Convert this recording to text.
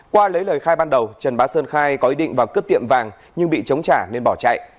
qua lấy lời khai ban đầu trần bá sơn khai có ý định vào cướp tiệm vàng nhưng bị chống trả nên bỏ chạy